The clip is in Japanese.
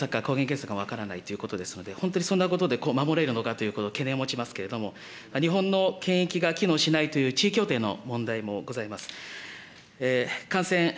ＰＣＲ検査か抗原検査か分からないということですので、本当にそんなことで守れるのかという、懸念を持ちますけれども、日本の検疫が機能しないという地位協定の問題もございます。